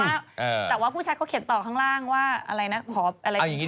แต่ว่าผู้ชัดเขาเขียนต่อข้างล่างว่า